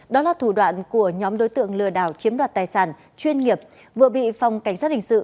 đó là thủ đoạn của nhóm đối tượng lừa đảo chiếm đoạt tài sản chuyên nghiệp vừa bị phòng cảnh sát hình sự